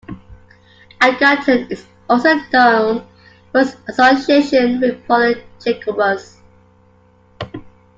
Edgerton is also known for its association with Pauline Jacobus.